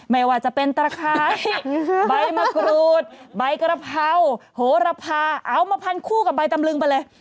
ไม่ว่าจะเป็นตะไคร้ใบมะกรูดใบกระเพราโหระพาเอามาพันคู่กับใบตำลึงไปเลย